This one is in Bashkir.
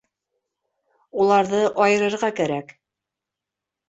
Уларҙы айырырға кәрәк.